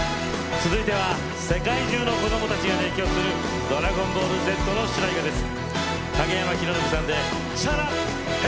続いては世界中の子どもたちが熱狂する「ドラゴンボールＺ」の主題歌です。